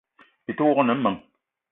Byi te wok ne meng :